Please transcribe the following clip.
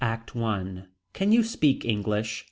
ACT I. Can you speak English.